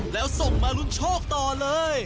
แล้วส่งมารุนโชคต่อเลย